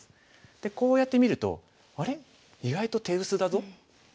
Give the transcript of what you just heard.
でこうやって見ると「あれ？意外と手薄だぞ」。